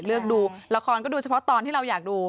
เลือกดูละครก็ดูเฉพาะตอนที่เราอยากดู